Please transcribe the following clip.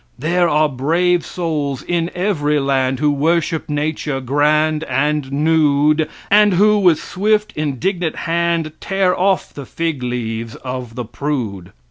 There are brave souls in every land who worship nature grand and nude, and who, with swift, indignant hand, tear off the fig leaves of the prude.